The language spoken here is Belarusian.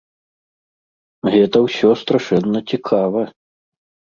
Гэта ўсё страшэнна цікава.